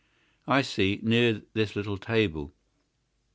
"I see. Near this little table.